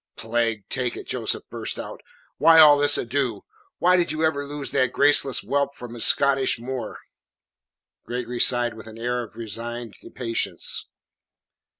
"Plague take it," Joseph burst out. "Why all this ado? Why did you ever loose that graceless whelp from his Scottish moor?" Gregory sighed with an air of resigned patience.